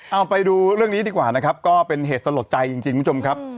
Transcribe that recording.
เอาไปดูเรื่องนี้ดีกว่านะครับก็เป็นเหตุสลดใจจริงคุณผู้ชมครับ